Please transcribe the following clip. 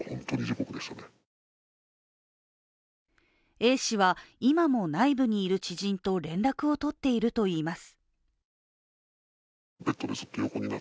Ａ氏は今も内部にいる知人と連絡を取っているといいます。